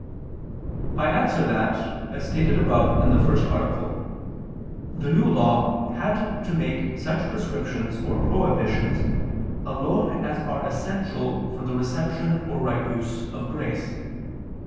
I answer that, as stated above (A. 1), the New Law had to make such prescriptions or prohibitions alone as are essential for the reception or right use of grace.